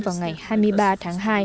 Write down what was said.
vào ngày hai mươi ba tháng hai